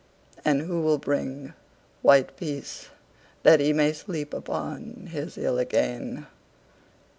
And who will bring white peaceThat he may sleep upon his hill again?